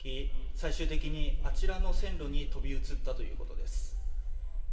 最終的にあちらの線路に飛び移ったということです。